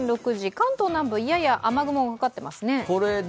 関東南部、やや雨雲がかかってますね。